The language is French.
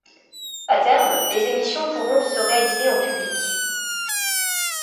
À terme, les émissions pourront se réaliser en public.